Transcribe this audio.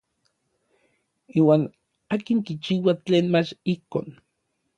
Iuan akin kichiua tlen mach ijtok.